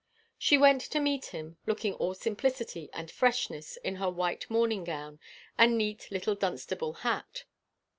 She went to meet him, looking all simplicity and freshness in her white morning gown and neat little Dunstable hat.